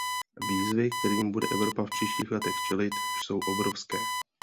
Výzvy, kterým bude Evropa v příštích letech čelit, jsou obrovské.